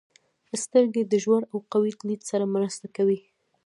• سترګې د ژور او قوي لید سره مرسته کوي.